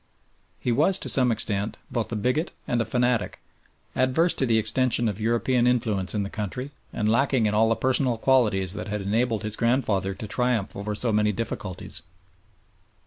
He was, to some extent, both a bigot and a fanatic, adverse to the extension of European influence in the country and lacking in all the personal qualities that had enabled his grandfather to triumph over so many difficulties.